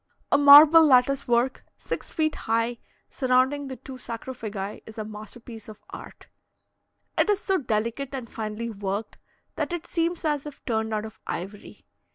A marble lattice work, six feet high, surrounding the two sarcophagi, is a masterpiece of art. It is so delicate and finely worked, that it seems as if turned out of ivory.